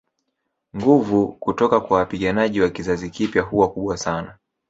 Nguvu kutoka kwa wapiganaji wa kizazi kipya huwa kubwa sana